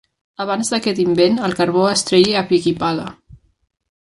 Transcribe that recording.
Abans d’aquest invent, el carbó es treia a pic i pala.